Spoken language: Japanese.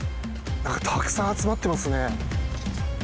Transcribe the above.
たくさん集まってますね。